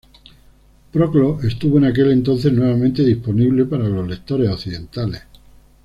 Proclo estuvo en aquel entonces nuevamente disponible para los lectores occidentales.